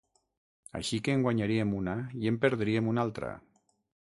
Així que en guanyaríem una i en perdríem una altra.